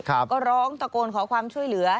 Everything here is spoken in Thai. ก็ร้องตะโกนขอความช่วยเหลือ